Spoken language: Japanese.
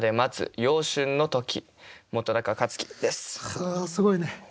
はあすごいね。